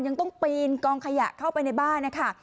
ยังต้องปีนกองขยะเข้าไปในบ้านนะคะ